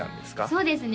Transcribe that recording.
そうですね